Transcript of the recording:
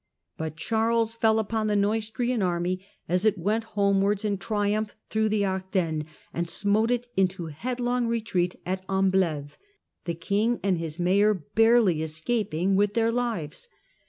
But Charles ofCharles ell upon the Neustrian army as it went homewards in riumph through the Ardennes, and smote it into leadlong retreat at Ambleve, the king and his mayor >arely escaping with their lives.